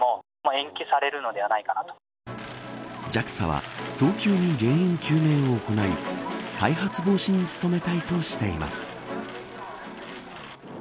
ＪＡＸＡは早急に原因究明を行い、再発防止に努めたいとしています。